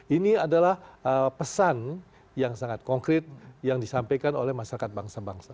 ini adalah pesan yang sangat konkret yang disampaikan oleh masyarakat bangsa bangsa